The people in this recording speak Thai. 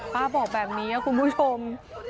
ป้าบอกแบบนี้คุณผู้ชม